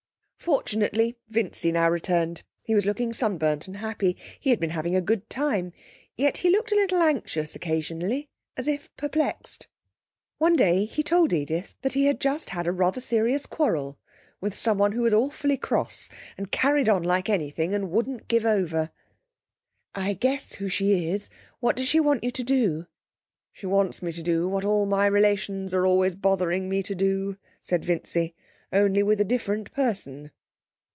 Fortunately, Vincy now returned; he was looking sunburnt and happy. He had been having a good time. Yet he looked a little anxious occasionally, as if perplexed. One day he told Edith that he had just had a rather serious quarrel with someone who was awfully cross, and carried on like anything and wouldn't give over. 'I guess who she is. What does she want you to do?' 'She wants me to do what all my relations are always bothering me to do,' said Vincy, 'only with a different person.'